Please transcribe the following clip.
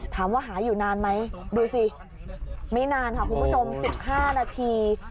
ถามว่าหาอยู่นานไหมดูสิไม่นานค่ะคุณผู้ชม๑๕นาที